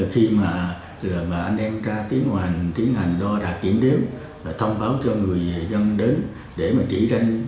khi mà anh em ra tiến hành đo đạt kiểm đếm thông báo cho người dân đến để chỉ danh